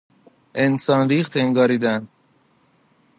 انسان ریخت انگاریدن